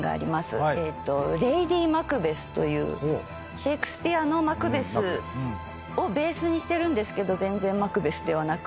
シェークスピアの『マクベス』をベースにしてるんですけど全然『マクベス』ではなく。